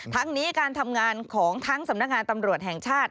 ทั้งนี้การทำงานของทั้งสำนักงานตำรวจแห่งชาติ